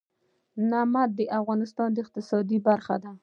نمک د افغانستان د اقتصاد برخه ده.